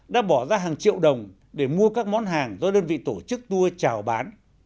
đều đồng để mua các món hàng do đơn vị tổ chức tour trào bán